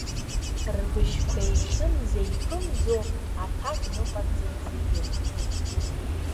Рбыжьқәа еихьымӡа-еиԥымӡо, аҭак ныҟарҵеит зегьы.